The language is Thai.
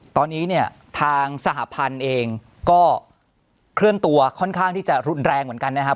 ตอนนี้เนี่ยทางสหพันธุ์เองก็เคลื่อนตัวค่อนข้างที่จะรุนแรงเหมือนกันนะครับ